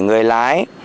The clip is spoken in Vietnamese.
về người lái